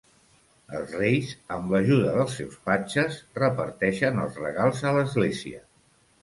Els Reis, amb l'ajuda dels seus patges, reparteixen els regals a l'Església.